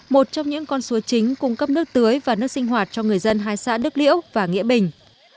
một trong những con suối chính cung cấp nước tưới và nước sinh hoạt cho người dân hai xã đức liễu và nghĩa bình